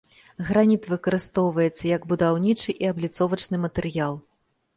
Граніт выкарыстоўваецца як будаўнічы і абліцовачны матэрыял.